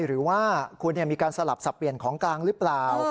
หรือว่าคุณมีการสลับสับเปลี่ยนของกลางหรือเปล่า